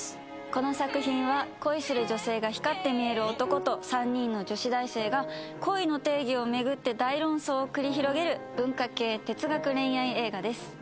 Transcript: この作品は恋する女性が光って見える男と３人の女子大生が恋の定義をめぐって大論争を繰り広げる文化系哲学恋愛映画です